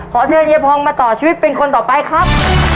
ขอเชิญเฮียพองมาต่อชีวิตเป็นคนต่อไปครับ